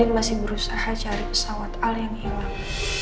masih berusaha cari pesawat al yang hilang